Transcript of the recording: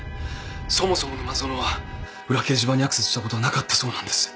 そもそも沼園は裏掲示板にアクセスしたことはなかったそうなんです。